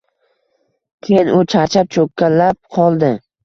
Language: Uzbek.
Keyin u charchab, cho‘kkalab qoldi.